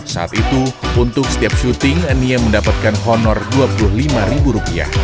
saat itu untuk setiap syuting nia mendapatkan honor rp dua puluh lima